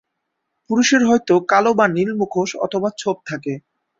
পুরুষের হয়তো কালো বা নীল মুখোশ অথবা ছোপ থাকে।